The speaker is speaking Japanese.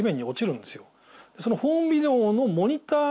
そのホームビデオの。